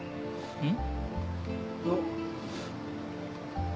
うん。